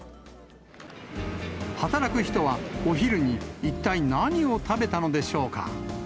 働く人はお昼に一体何を食べたのでしょうか。